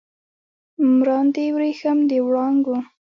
مراندې وریښم د وړانګو